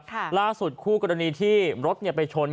ล่าสุดคู่กรณีที่รถเนี่ยไปชน